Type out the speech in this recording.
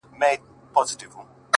ته هم چنداني شی ولاکه يې ه ياره!!